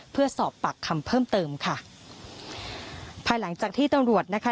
เพื่อสอบปากคำเพิ่มเติมค่ะภายหลังจากที่ตำรวจนะคะ